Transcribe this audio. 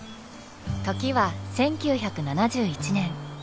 時は１９７１年。